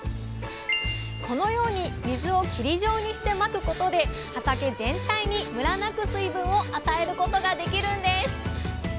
このように水を霧状にしてまくことで畑全体にムラなく水分を与えることができるんです。